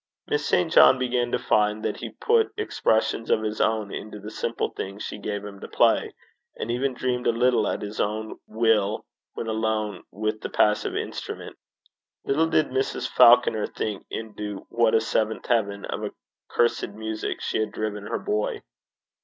Miss St. John began to find that he put expressions of his own into the simple things she gave him to play, and even dreamed a little at his own will when alone with the passive instrument. Little did Mrs. Falconer think into what a seventh heaven of accursed music she had driven her boy.